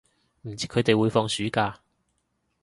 唔知佢哋會放暑假